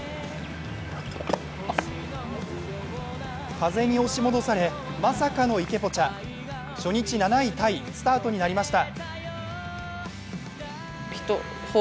風に押し戻され、まさかの池ポチャ初日７位タイスタートになりました。